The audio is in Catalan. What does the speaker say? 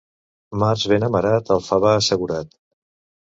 Març ben amarat, el favar assegurat.